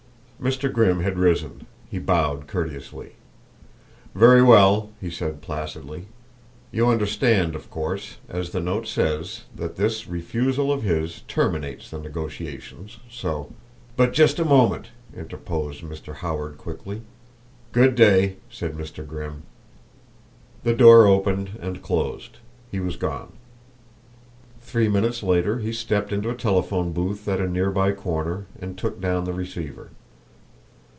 Mr. Grimm had risen; he bowed courteously. "Very well," he said placidly. "You understand, of course, as the note says, that this refusal of his terminates the negotiations, so " "But just a moment " interposed Mr. Howard quickly. "Good day," said Mr. Grimm. The door opened and closed; he was gone. Three minutes later he stepped into a telephone booth at a near by corner and took down the receiver.